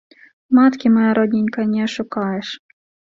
Маткі, мая родненькая, не ашукаеш.